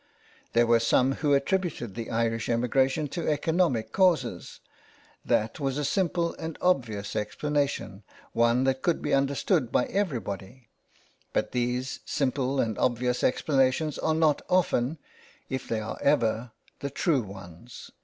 There were some who attributed the Irish emigration to economic causes : that was a simple and obvious explanation, one that could be understood by every body ; but these simple and obvious explanations are not often, if they are ever the true ones.